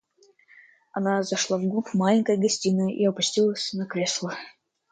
Она зашла в глубь маленькой гостиной и опустилась на кресло.